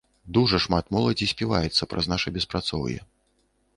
Дужа шмат моладзі співаецца праз наша беспрацоўе.